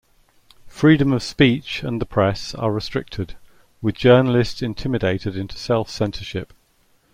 Freedom of speech and the press are restricted, with journalists intimidated into self-censorship.